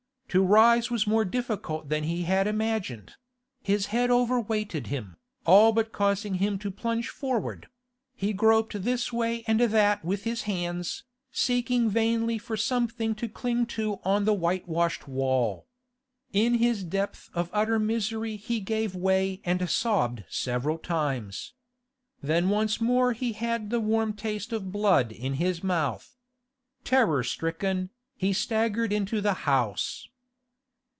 To rise was more difficult than he had imagined; his head overweighted him, all but caused him to plunge forward; he groped this way and that with his hands, seeking vainly for something to cling to on the whitewashed wall. In his depth of utter misery he gave way and sobbed several times. Then once more he had the warm taste of blood in his mouth. Terror stricken, he staggered into the house.